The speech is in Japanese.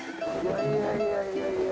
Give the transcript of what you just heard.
いやいやいやいやいや。